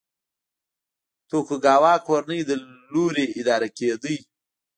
توکوګاوا کورنۍ له لوري اداره کېده.